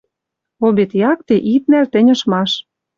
Обед якте ит нӓл тӹнь ышмаш.